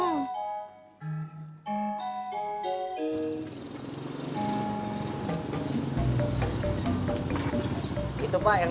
nungguin nasi mateng